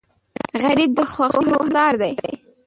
غریب د خوښیو حقدار دی